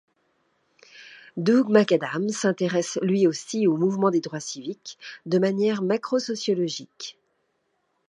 Doug McAdam s'intéresse lui aussi au mouvements des droits civiques, de manière macrosociologique.